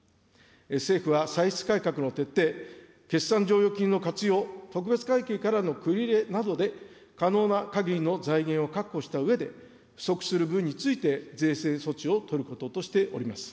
政府は歳出改革の徹底、決算剰余金の活用、特別会計からの繰り入れなどで、可能なかぎりの財源を確保したうえで、不足する分について、税制措置を取ることとしております。